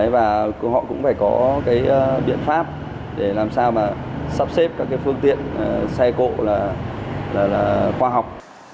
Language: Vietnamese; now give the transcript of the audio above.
và họ cũng phải có cái biện pháp để làm sao mà sắp xếp các phương tiện xe cộ là khoa học